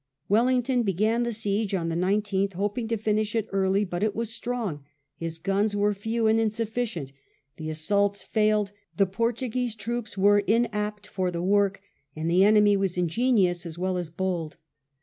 Wellington began the siege on the 19th, hoping to finish it early, but it was strong, his guns were few and insufficient, the assaults failed, the Portuguese troops were inapt for the work, and the enemy was ingenious as well as bold.